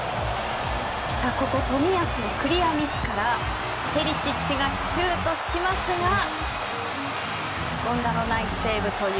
ここを冨安のクリアミスからペリシッチがシュートしますが権田のナイスセーブという。